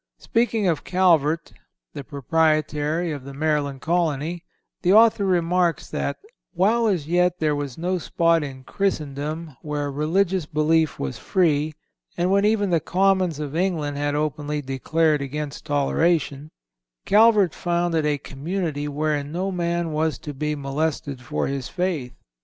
Speaking of Calvert, the Proprietary of the Maryland Colony, the author remarks that "while as yet there was no spot in Christendom where religious belief was free, and when even the Commons of England had openly declared against toleration, Calvert founded a community wherein no man was to be molested for his faith.